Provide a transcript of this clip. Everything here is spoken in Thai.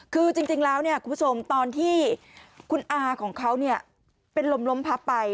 คือจริงแล้วคุณผู้ชมตอนที่คุณอาของเขาเป็นลมล้มพับไป